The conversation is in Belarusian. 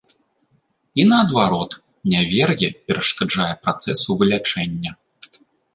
І, наадварот, нявер'е перашкаджае працэсу вылячэння.